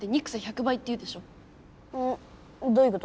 どういうこと？